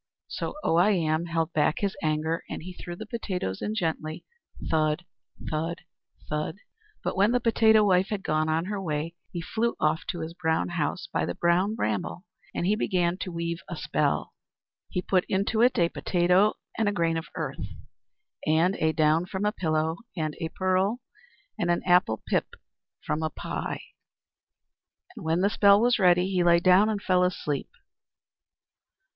So Oh I Am held back his anger, and he threw the potatoes in gently, thud, thud, thud. But when the potato wife had gone on her way, he flew off to his Brown House by the Brown Bramble; and he began to weave a spell. He put into it a potato, and a grain of earth, and a down from a pillow, and a pearl, and an apple pip from a pie. And when the spell was ready, he lay down, and fell asleep.